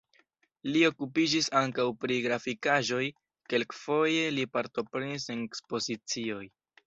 Li okupiĝis ankaŭ pri grafikaĵoj, kelkfoje li partoprenis en ekspozicioj.